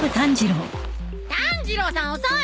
炭治郎さん遅い！